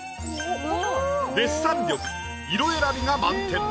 デッサン力色選びが満点。